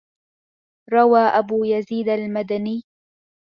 رَوَى أَبُو يَزِيدَ الْمَدَنِيُّ